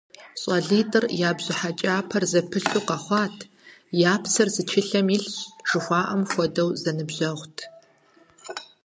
ЩӀалитӀыр я бжьыхьэкӀапэр зэпылъу къэхъуат, «я псэр зы чысэм илъщ» жыхуаӀэм хуэдэу зэныбжьэгъут.